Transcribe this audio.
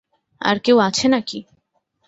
আর কেউ আছে নাকি?